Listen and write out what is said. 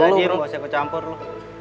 ya dia mau siapa campur lo